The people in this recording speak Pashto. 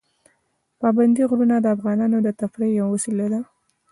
پابندی غرونه د افغانانو د تفریح یوه وسیله ده.